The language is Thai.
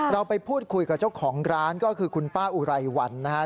เราไปพูดคุยกับเจ้าของร้านก็คือคุณป้าอุไรวันนะครับ